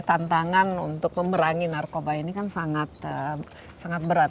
tantangan untuk memerangi narkoba ini kan sangat berat